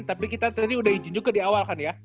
tapi kita tadi udah izin juga di awal kan ya